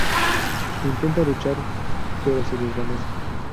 Intenta luchar, pero se desvanece.